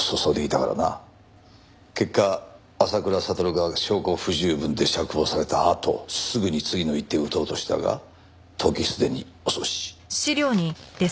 結果浅倉悟が証拠不十分で釈放されたあとすぐに次の一手を打とうとしたが時すでに遅し。